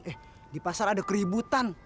eh di pasar ada keributan